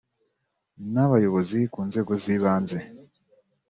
n’Abayobozi ku nzego z’ibanze